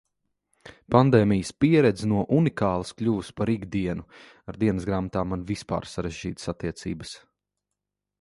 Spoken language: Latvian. Pandēmijas pieredze no unikālas kļuvusi par ikdienu. Ar dienasgrāmatām man vispār sarežģītas attiecības.